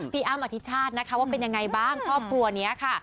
อ้ำอธิชาตินะคะว่าเป็นยังไงบ้างครอบครัวนี้ค่ะ